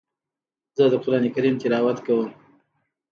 زه د قرآن کريم تلاوت کوم.